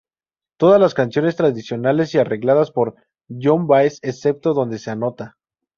Todas las canciones tradicionales y arregladas por Joan Baez excepto donde se anota.